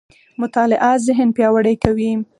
مطالعه ذهن پياوړی کوي.